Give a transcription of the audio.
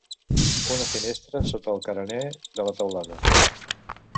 Una finestra sota el carener de la teulada.